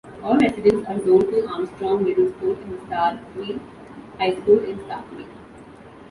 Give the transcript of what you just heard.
All residents are zoned to Armstrong Middle School and Starkville High School in Starkville.